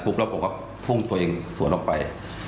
แล้วผมก็พุ่งตัวเองสวนออกไป